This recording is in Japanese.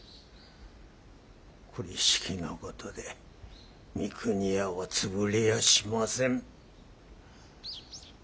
これしきのことで三国屋は潰れやしません。